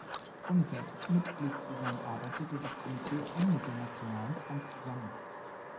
Ohne selbst Mitglied zu sein, arbeitete das Komitee eng mit der Nationalen Front zusammen.